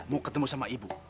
mau ketemu sama ibu